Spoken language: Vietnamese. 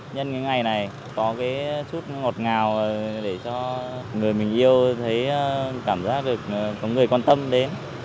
nhân cái ngày này có cái chút ngọt ngào để cho người mình yêu thấy cảm giác được có người quan tâm đến